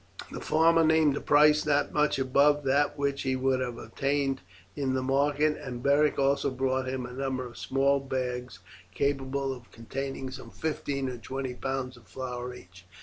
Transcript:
The farmer named a price not much above that which he would have obtained in the market, and Beric also bought of him a number of small bags capable of containing some fifteen or twenty pounds of flour each.